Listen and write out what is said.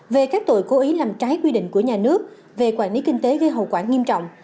về các tội cố ý làm trái quy định của nhà nước về quản lý kinh tế gây hậu quả nghiêm trọng